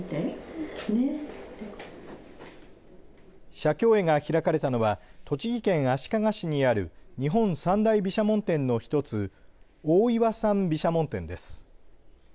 写経会が開かれたのは栃木県足利市にある日本三大毘沙門天の１つ、大岩山毘沙門天です。